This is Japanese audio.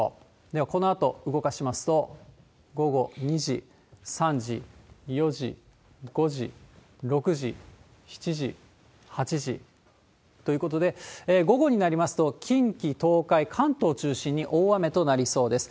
では、このあと動かしますと、午後２時、３時、４時、５時、６時、７時、８時ということで、午後になりますと、近畿、東海、関東を中心に大雨となりそうです。